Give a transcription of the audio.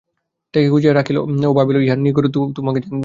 ট্যাঁকে গুঁজিয়া রাখিল ও ভাবিল ইহার নিগূঢ় তাহাকে জানিতে হইবে।